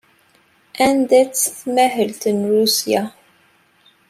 Anda-tt tmahelt n Rusya?